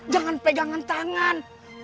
jangan pegangan tangan